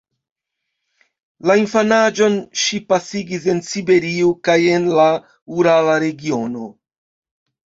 La infanaĝon ŝi pasigis en Siberio kaj en la urala regiono.